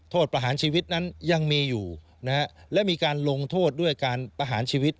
ประหารชีวิตนั้นยังมีอยู่นะฮะและมีการลงโทษด้วยการประหารชีวิต